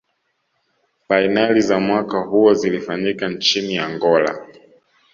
fainali za mwaka huo zilifanyika nchini angola